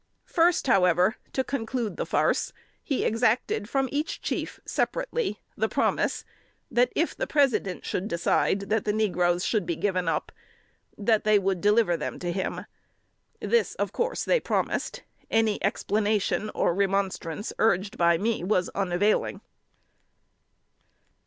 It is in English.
First, however, to conclude the farce, he exacted from each chief separately the promise, if the President should decide that the negroes should be given up, that they would deliver them to him. This of course they promised; any explanation or remonstrance urged by me was unavailing."